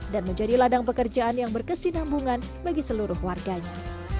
dan menjadi ladang pekerjaan yang berkesinambungan bagi seluruh warganya